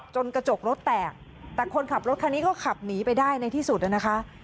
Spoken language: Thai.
กระจกรถแตกแต่คนขับรถคันนี้ก็ขับหนีไปได้ในที่สุดนะคะ